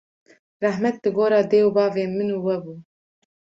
rehmet li gora dê û bavên min û we bû